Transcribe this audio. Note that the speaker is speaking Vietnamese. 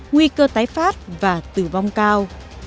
nguy cơ tái phát và tử vong cao